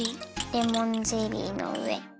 レモンゼリーのうえ。